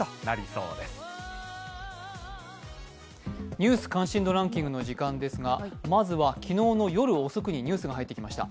「ニュース関心度ランキング」の時間ですが、まずは昨日の夜遅くにニュースが入ってきました。